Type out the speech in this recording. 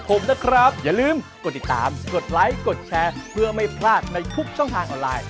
โปรดติดตามตอนต่อไป